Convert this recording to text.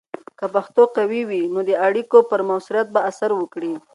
که پښتو قوي وي، نو د اړیکو پر مؤثریت به اثر وکړي.